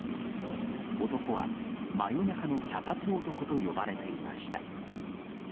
男は、真夜中の脚立男と呼ばれていました。